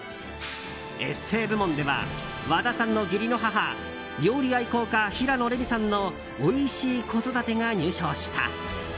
エッセイ部門では和田さんの義理の母料理愛好家・平野レミさんの「おいしい子育て」が入賞した。